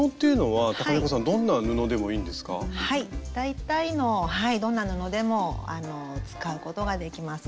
はい大体のはいどんな布でも使うことができます。